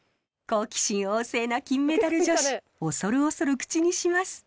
好奇心旺盛な金メダル女子恐る恐る口にします。